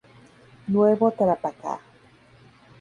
Nuevo Tarapacá